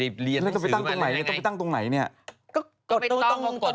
เดี๋ยวเซลเซียสไม่ใช่เซลเซียส